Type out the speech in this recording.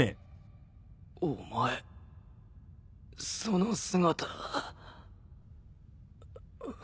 お前その姿。